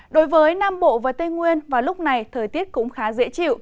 đối với nam bộ và tây nguyên vào lúc này thời tiết cũng khá dễ chịu